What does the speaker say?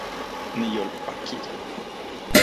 Niyolpaki